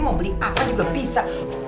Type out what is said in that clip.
mau beli a juga bisa